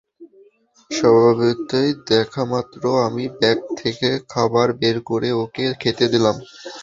স্বভাবতই, দেখামাত্র আমি ব্যাগ থেকে খাবার বের করে ওকে খেতে দিলাম।